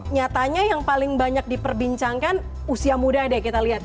nyatanya yang paling banyak diperbincangkan usia muda deh kita lihat ya